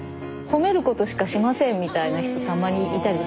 褒めることしかしませんみたいな人たまにいたり。